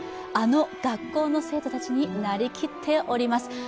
あの学校の生徒たちになりきっております。